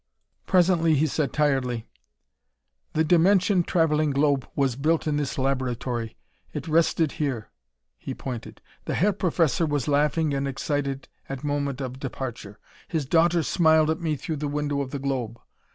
Presently he said tiredly: "The dimension traveling globe was built in this laboratory. It rested here." He pointed. "The Herr Professor was laughing and excited at the moment of departure. His daughter smiled at me through the window of the globe.